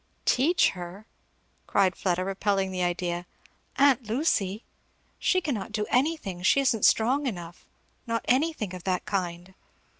"Teach her?" cried Fleda, repelling the idea; "aunt Lucy? she cannot do anything she isn't strong enough; not anything of that kind."